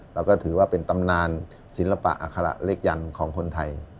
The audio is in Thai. แล้วก็ถือว่าเป็นตำนานศิลปะอัคระเลขยันต์ของคนไทย